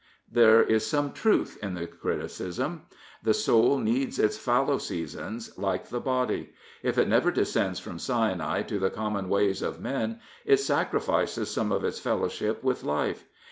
'* There is some truth in the criticism. The soul needs its fallow seasons like the body. If it never descends from Sinai to the common ways of men it sacrifices some of its fellowship with lift.